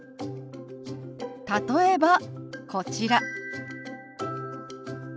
例えばこちら。